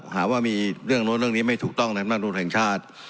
หาว่ามีเรื่องนู้นเรื่องนี้ไม่ถูกต้องในมนุนแห่งชาติ